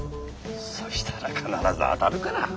そしたら必ず当たるから。